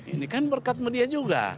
ini kan berkat media juga